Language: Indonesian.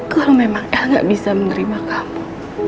kalau memang el gak bisa menerima kamu